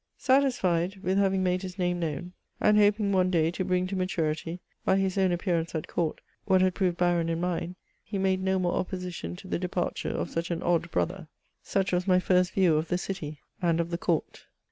Satisfied with having made his name known, and hoping one day to bring to maturity^ by ^hia own appearance at court, what had proved barren in mine^ he made no more opposition to the departure of such an odd brother.'*^ Such was my first view of the city and of the court.